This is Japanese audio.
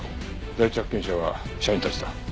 第一発見者は社員たちだ。